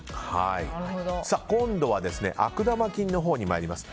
今度は悪玉菌のほうにまいります。